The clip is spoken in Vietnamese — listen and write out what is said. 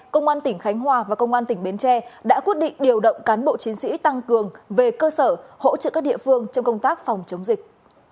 công an tỉnh khánh hòa và công an tỉnh bến tre đã quyết định điều động cán bộ chiến sĩ tăng cường về cơ sở hỗ trợ các địa phương trong công tác phòng chống dịch